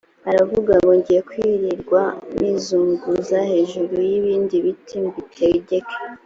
aravuga ngo ngiye kwirirwa nizunguza hejuru y’ibindi biti mbitegeka